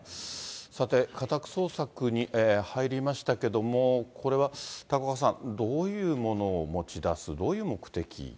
さて、家宅捜索に入りましたけども、これは高岡さん、どういうものを持ち出す、どういう目的？